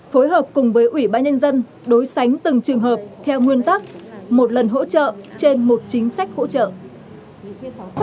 phối hợp cùng với ủy ban nhân dân đối sánh từng trường hợp theo nguyên tắc một lần hỗ trợ trên một chính sách hỗ trợ